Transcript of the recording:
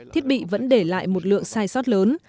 thiết bị vẫn để lại một lượng sai sót lớn